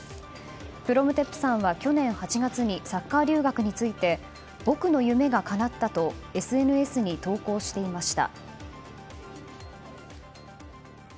プロムテップさんは去年８月にサッカー留学について僕の夢がかなったとＳＮＳに投稿していました。